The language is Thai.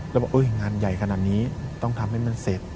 แล้วบอกงานใหญ่ขนาดนี้ต้องทำให้มันเสร็จ